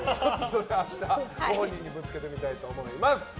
明日ご本人にぶつけてみたいと思います。